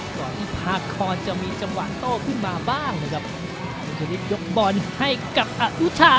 ก่อนที่พากรจะมีจังหวะโต้ขึ้นมาบ้างนะครับยกบอลให้กับอัตรุชา